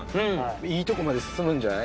いいとこまで進むんじゃない？